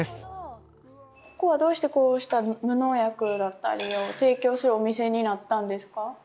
ここはどうしてこうした無農薬だったりを提供するお店になったんですか？